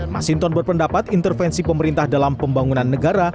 masinton berpendapat intervensi pemerintah dalam pembangunan negara